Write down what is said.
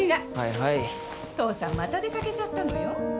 父さんまた出掛けちゃったのよ。